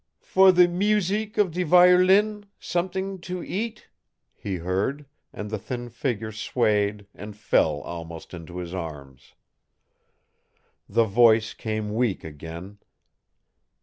"For the museek of the violon somet'ing to eat!" he heard, and the thin figure swayed and fell almost into his arms. The voice came weak again.